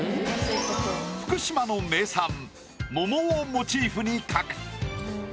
福島の名産桃をモチーフに描く。